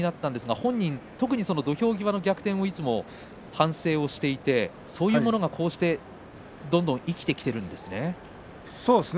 本人、特に土俵際の逆転を反省をしていてそういうものがこうしてどんどん生きてきているんですね。